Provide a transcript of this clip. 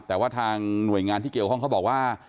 แต่ว่าทางหน่วยงานที่เกี่ยวข้องเขาบอกว่า